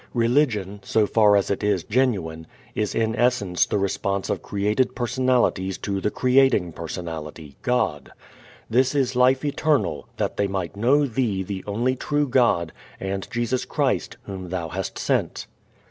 Religion, so far as it is genuine, is in essence the response of created personalities to the Creating Personality, God. "This is life eternal, that they might know thee the only true God, and Jesus Christ, whom thou hast sent."